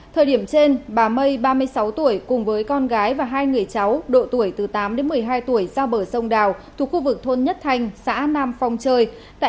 thời điểm trên bà mây ba mươi sáu tuổi cùng với con gái và hai người cháu độ tuổi từ tám đến một mươi hai tuổi ra bờ sông đào thuộc khu vực thôn nhất thanh xã nam phong chơi